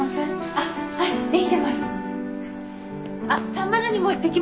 あっ３０２も行ってきますね。